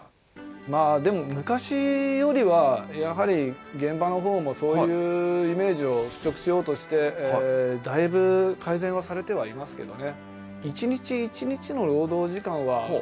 まあでも昔よりはやはり現場のほうもそういうイメージをふっしょくしようとしてだいぶ改善はされてはいますけどね。